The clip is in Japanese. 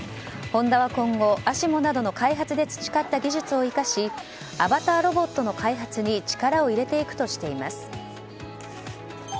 ホンダは今後ＡＳＩＭＯなどの開発で培った技術を生かしアバターロボットの開発に力を入れていくとしています。